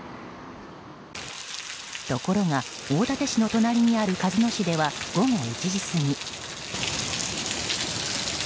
ところが大館市の隣にある鹿角市では午後１時過ぎ。